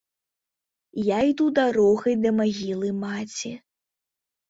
Я іду дарогай да магілы маці.